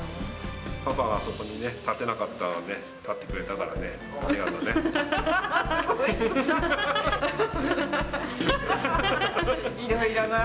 パパはあそこに立てなかったので、立ってくれたからね、ありがとういろいろな。